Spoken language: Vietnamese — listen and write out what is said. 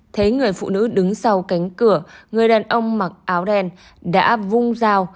thấy người phụ nữ đứng sau cánh cửa người đàn ông mặc áo đen đã vung dao